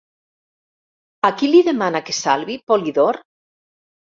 A qui li demana que salvi Polidor?